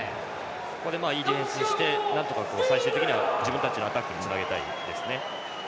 ここでいいディフェンスして最終的には自分たちのアタックにつなげたいですね。